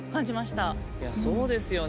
いやそうですよね。